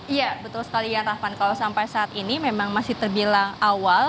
iya betul sekali ya raffan kalau sampai saat ini memang masih terbilang awal